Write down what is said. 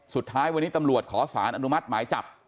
สุดท้ายวันนี้ตำรวจขอสารอนุมัติหมายจับ